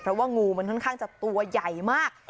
เพราะว่างูมันค่อนข้างจะตัวใหญ่มาก